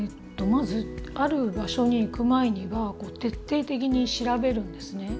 まずある場所に行く前には徹底的に調べるんですね。